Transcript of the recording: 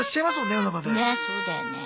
ねっそうだよね。